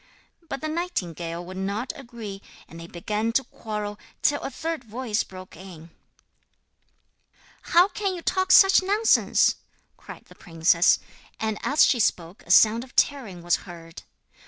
But the nightingale would not agree; and they began to quarrel, till a third voice broke in: 'How can you talk such nonsense?' cried the princess and as she spoke a sound of tearing was heard.